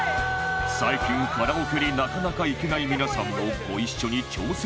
最近カラオケになかなか行けない皆さんもご一緒に挑戦してみてください